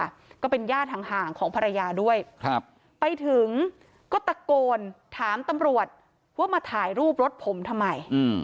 แล้วก็เป็นญาติทางห่างถามตำรวจว่ามายถ่ายรูปรถทำไม